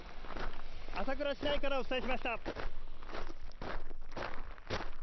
朝倉市内からお伝えしました。